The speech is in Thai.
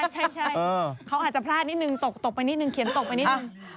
ใช่เขาอาจจะพลาดนิดนึงตกไปนิดนึงเขียนตกไปนิดนึง